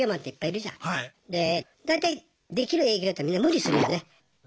で大体デキる営業ってみんな無理するよね。